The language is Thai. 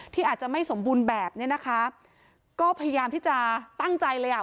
ที่อาจจะไม่สมบูรณ์แบบเนี้ยนะคะก็พยายามที่จะตั้งใจเลยอ่ะ